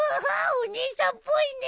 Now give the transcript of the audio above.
お姉さんっぽいね。